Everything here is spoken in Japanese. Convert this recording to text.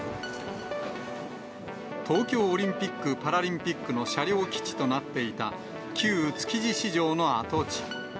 東京オリンピック・パラリンピックの車両基地となっていた、旧築地市場の跡地。